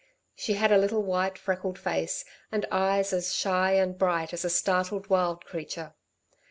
She had a little white, freckled face, and eyes as shy and bright as a startled wild creature.